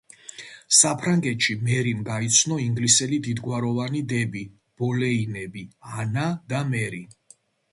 საფრანგეთში მერიმ გაიცნო ინგლისელი დიდგვაროვანი დები ბოლეინები, ანა და მერი.